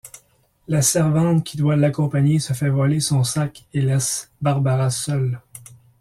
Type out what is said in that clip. La servante qui doit l'accompagner se fait voler son sac et laisse Barbara seule.